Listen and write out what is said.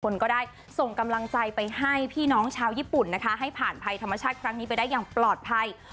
คนก็ได้ส่งกำลังใจไปให้พี่น้องชาวญี่ปุ่นนะคะให้ผ่านภัยธรรมชาติครั้งนี้ไปได้อย่างปลอดภัย